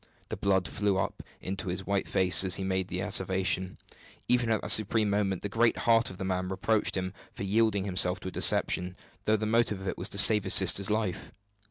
The blood flew up into his white face as he made the asseveration. Even at that supreme moment the great heart of the man reproached him for yielding himself to a deception, though the motive of it was to save his sister's life.